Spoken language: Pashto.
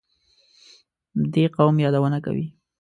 دې قوم یادونه کوي.